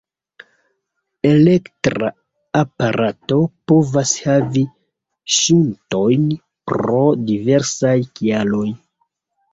Elektra aparato povas havi ŝuntojn pro diversaj kialoj.